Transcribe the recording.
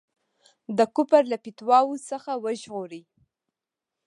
د کفر له فتواوو څخه وژغوري.